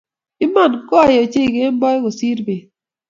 Iman, goi ochei kemboi kosiir beet